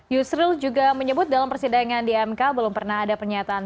yusril juga menyebut dalam persidangan di mk belum pernah ada pernyataan